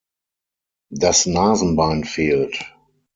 Das Nasenbein fehlt.